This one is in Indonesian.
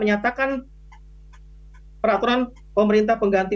menyatakan peraturan pemerintah pengganti